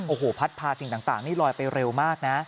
โอ้โหพัดพาสิ่งต่างนี่ลอยไปเร็วมากนะ